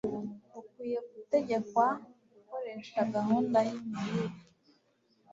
ukwiriye gutegekwa gukoresha gahunda yimirire